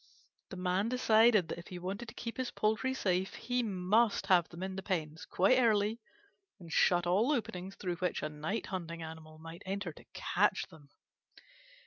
The Man decided that if he wanted to keep his poultry safe, he must have them in the pens quite early and shut all the openings through which a night hunting animal might enter to catch them.